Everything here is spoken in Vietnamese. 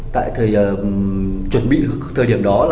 tại thời chuẩn bị thời điểm đó